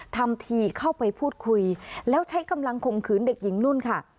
ทำทีเข้าไปพูดคุยแล้วใช้กำลังข่มขืนเด็กหญิงนุ่นค่ะ